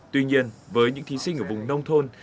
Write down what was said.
tuy nhiên với những thí sinh ở vùng nông thôn